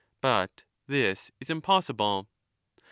But this is impossible.